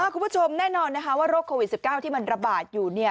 คุณผู้ชมแน่นอนว่าโรคโควิด๑๙ที่มันระบาดอยู่